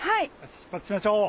出発しましょう。